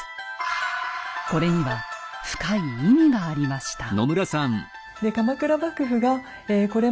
これには深い意味がありました。